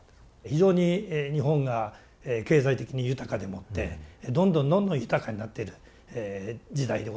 非常に日本が経済的に豊かでもってどんどんどんどん豊かになっている時代でございました。